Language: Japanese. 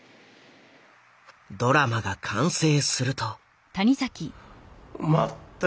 ドラマが完成すると。